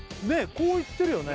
こういってるよね